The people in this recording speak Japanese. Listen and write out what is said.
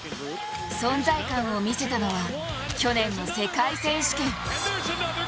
存在感を見せたのは去年の世界選手権。